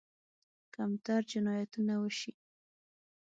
کمتر جنایتونه وشي.